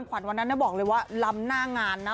วันนั้นบอกเลยว่าลำน่างานนะ